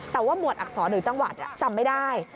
แต่ว่าหมวดอักษรหรือจังหวัดจำไม่ได้